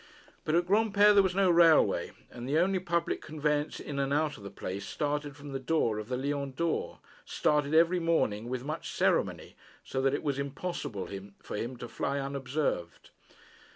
But at Granpere there was no railway, and the only public conveyance in and out of the place started from the door of the Lion d'Or; started every morning, with much ceremony, so that it was impossible for him to fly unobserved.